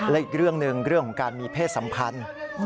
และอีกเรื่องหนึ่งเรื่องของการมีเพศสัมพันธ์